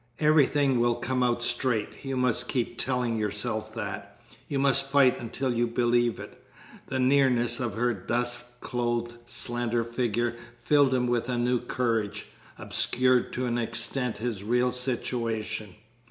"Everything will come out straight. You must keep telling yourself that. You must fight until you believe it." The nearness of her dusk clothed, slender figure filled him with a new courage, obscured to an extent his real situation.